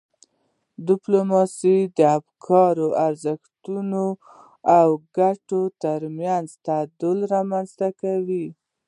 ډیپلوماسي د افکارو، ارزښتونو او ګټو ترمنځ تعادل رامنځته کوي.